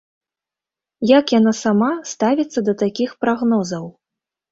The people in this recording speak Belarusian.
Як яна сама ставіцца да такіх прагнозаў?